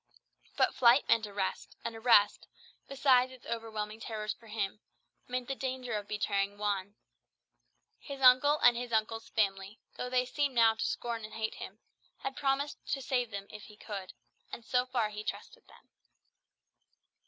But flight meant arrest; and arrest, besides its overwhelming terrors for himself, meant the danger of betraying Juan. His uncle and his uncle's family, though they seemed now to scorn and hate him, had promised to save him if they could, and so far he trusted them.